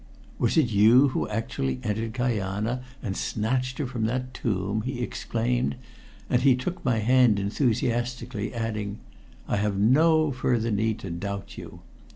"Was it you who actually entered Kajana and snatched her from that tomb!" he exclaimed, and he took my hand enthusiastically, adding "I have no further need to doubt you."